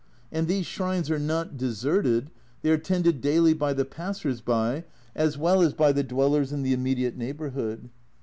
And A Journal from Japan 271 these shrines are not deserted, they are tended daily by the passers by as well as by the dwellers in the immediate neighbourhood.